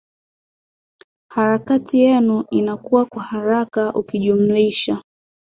hara kati yetu inakuwa kwa haraka ukijumlisha